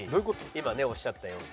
今ねおっしゃったように。